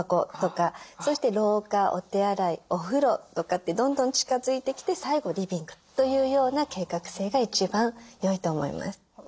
そして廊下お手洗いお風呂とかってどんどん近づいてきて最後リビングというような計画性が一番よいと思います。